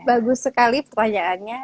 bagus sekali pertanyaannya